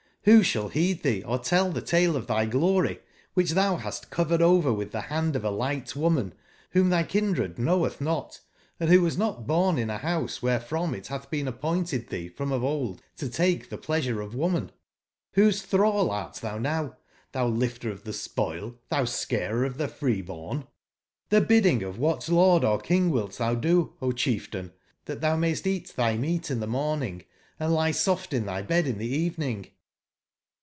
Ulbo sball beed tbee or tell tbe tale of tby glory, wbicb tbou bast covered over witb tbe bandof aligbt woman, wbom tby kindred know etb not, and wbo was not born in a bouse wberefrom it batb been appointed tbee from of old to take tbe pleasureof woman ? Qlbose tbrall art tbou now, tbou lifter of tbe spoil, tbou scarer of tbe freebom ? Xlbc biddingof wbat lordorKing wilt tbou do, O Cbief tain, tbat tbou mayst eat tby meat in tbe morning and lie soft in tby bed in tbe evening?